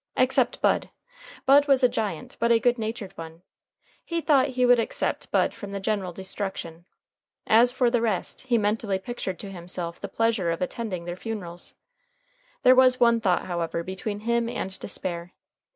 Except Bud. Bud was a giant, but a good natured one. He thought he would except Bud from the general destruction. As for the rest, he mentally pictured to himself the pleasure of attending their funerals. There was one thought, however, between him and despair.